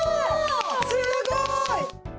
すごい！